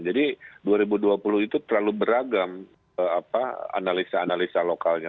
jadi dua ribu dua puluh itu terlalu beragam analisa analisa lokalnya